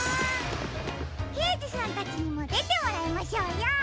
けいじさんたちにもでてもらいましょうよ。